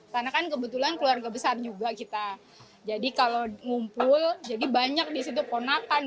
karena kan kebetulan keluarga besar juga kita jadi kalau ngumpul jadi banyak disitu ponakan